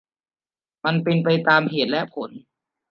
มันเป็นไปตามเหตุและผล